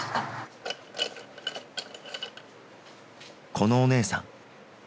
このお姉さん。